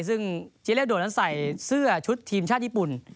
ซึ่งเจเล่โดดนั้นใส่เสื้อชุดทีมชาติญี่ปุ่น